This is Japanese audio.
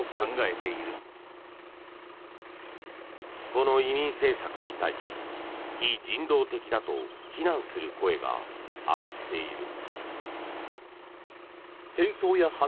この移民政策に対し非人道的だと非難する声が上がっている。